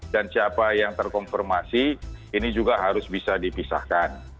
dan siapa yang terkonfirmasi ini juga harus bisa dipisahkan